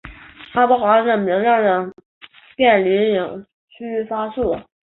它包含一个明亮的电离氢区发射。